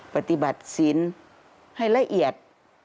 ปฏิบัติศีลให้ละเอียด